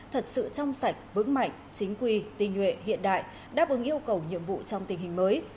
thật sự trong sạch vững mạnh chính quy tinh nhuệ hiện đại đáp ứng yêu cầu nhiệm vụ trong tình hình mới